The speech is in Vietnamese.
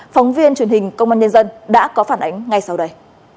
phóng viên truyền hình công an nhân dân đã có phản ánh ngay sau đây